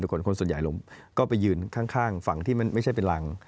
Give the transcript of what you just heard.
คนส่วนใหญ่ลงก็ไปยืนข้างฝั่งที่มันไม่ใช่เป็นรัง